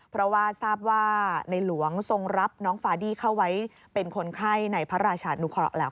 เพราะว่าทราบว่าในหลวงทรงรับน้องฟาดี้เข้าไว้เป็นคนไข้ในพระราชานุเคราะห์แล้ว